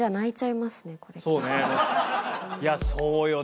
いやそうよね。